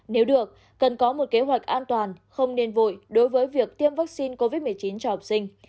nếu được cần có một kế hoạch an toàn không nên vội đối với việc tiêm vaccine covid một mươi chín cho học sinh